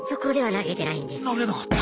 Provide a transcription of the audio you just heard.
投げなかった？